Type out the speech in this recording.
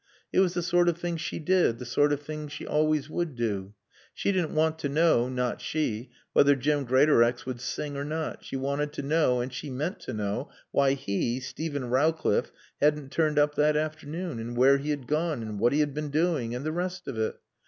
It was the sort of thing she did, the sort of thing she always would do. She didn't want to know (not she!) whether Jim Greatorex would sing or not, she wanted to know, and she meant to know, why he, Steven Rowcliffe, hadn't turned up that afternoon, and where he had gone, and what he had been doing, and the rest of it.